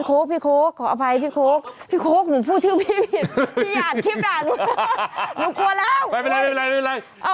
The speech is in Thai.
โอ้โฮพี่โค๊กขออภัยพี่โค๊กพี่โค๊กหนูพูดชื่อพี่ผิดพี่อ่านชีวิตอ่านหนูหนูกลัวแล้ว